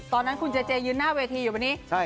ตอนนั้นคุณเจเจยืนหน้าเวทีอยู่วันนี้